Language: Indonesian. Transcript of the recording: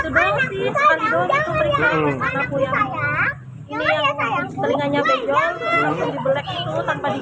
ini yang telinganya bejol langsung dibelek itu tanpa dibius